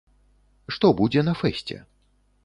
Што будзе на фэсце?